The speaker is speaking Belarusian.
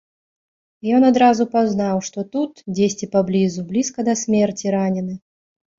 І ён адразу пазнаў, што тут, дзесьці паблізу, блізка да смерці ранены.